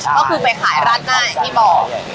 ก็คือไปขายราดหน้าอย่างที่บอก